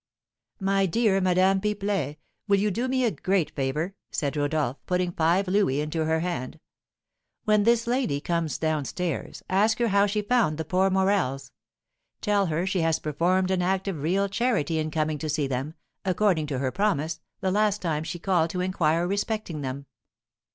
"My dear Madame Pipelet, will you do me a great favour?" said Rodolph, putting five louis into her hand. "When this lady comes down stairs, ask her how she found the poor Morels. Tell her she has performed an act of real charity in coming to see them, according to her promise, the last time she called to inquire respecting them."